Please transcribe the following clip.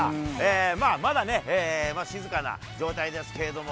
まあ、まだね、静かな状態ですけれども。